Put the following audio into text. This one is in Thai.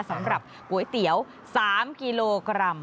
สำหรับก๋วยเตี๋ยว๓กิโลกรัม